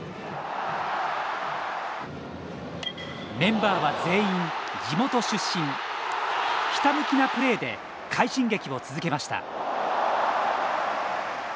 メンバーは全員地元出身ひたむきなプレーで快進撃を続けました。